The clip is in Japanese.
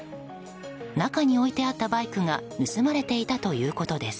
中に置いてあったバイクが盗まれていたということです。